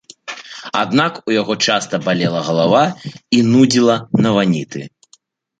Аднак у яго часта балела галава і нудзіла на ваніты.